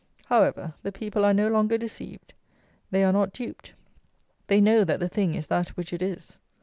However, the people are no longer deceived. They are not duped. They know that the thing is that which it is.